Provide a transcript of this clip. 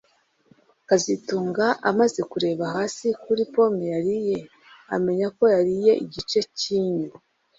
kazitunga amaze kureba hasi kuri pome yariye amenya ko yariye igice cyinyo